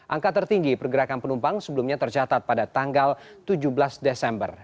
angka tertinggi pergerakan penumpang sebelumnya tercatat pada tanggal tujuh belas desember